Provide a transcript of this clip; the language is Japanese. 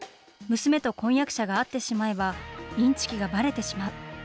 娘と婚約者が会ってしまえば、インチキがバレてしまう。